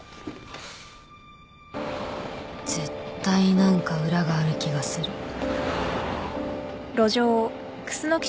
絶対何か裏がある気がする。